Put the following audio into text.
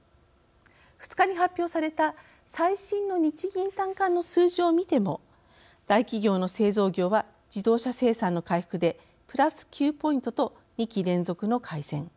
２日に発表された最新の日銀短観の数字を見ても大企業の製造業は自動車生産の回復で＋９ポイントと２期連続の改善。